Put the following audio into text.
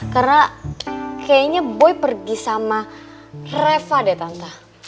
karena kayaknya boy pergi sama reva deh tante